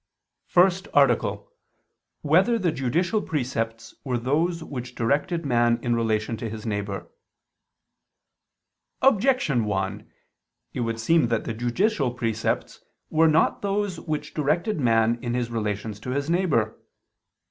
________________________ FIRST ARTICLE [I II, Q. 104, Art. 1] Whether the Judicial Precepts Were Those Which Directed Man in Relation to His Neighbor? Objection 1: It would seem that the judicial precepts were not those which directed man in his relations to his neighbor.